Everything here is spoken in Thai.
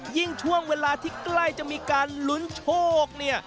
ช่วงเวลาที่ใกล้จะมีการลุ้นโชคเนี่ย